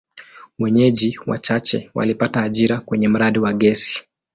Wenyeji wachache walipata ajira kwenye mradi wa gesi.